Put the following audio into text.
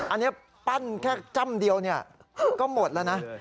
อันนี้ปั้นแค่จ้ำเดียวเนี่ยก็หมดแล้วนะ